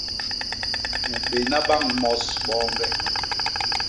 U béna bañ mos boñge.